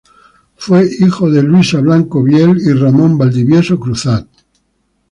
Fue hijo de Ramón Valdivieso Cruzat y Luisa Blanco Viel.